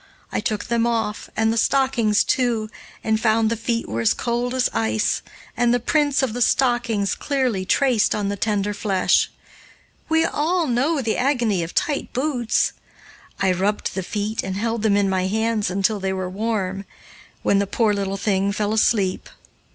I took them off, and the stockings, too, and found the feet as cold as ice and the prints of the stockings clearly traced on the tender flesh. We all know the agony of tight boots. I rubbed the feet and held them in my hands until they were warm, when the poor little thing fell asleep.